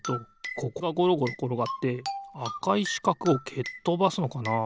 ここがゴロゴロころがってあかいしかくをけっとばすのかな？